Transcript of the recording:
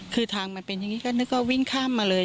คือทางมันเป็นอย่างนี้ก็นึกว่าวิ่งข้ามมาเลย